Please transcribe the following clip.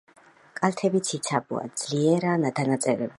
კალთები ციცაბოა, ძლიერაა დანაწევრებული.